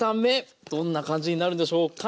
どんな感じになるんでしょうか？